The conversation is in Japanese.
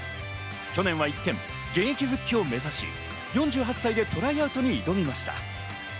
去年は一転、現役復帰を目指し４８歳でトライアウトに挑みました。